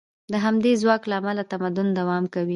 د همدې ځواک له امله تمدن دوام کوي.